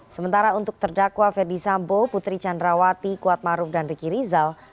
sementara untuk terdakwa ferdi sambo putri candrawati kuatmaruf dan riki rizal